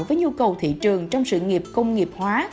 với nhu cầu thị trường trong sự nghiệp công nghiệp hóa